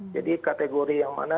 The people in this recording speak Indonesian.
jadi kategori yang mana